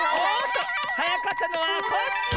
はやかったのはコッシー！